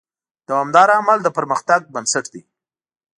دوامداره عمل د پرمختګ بنسټ دی.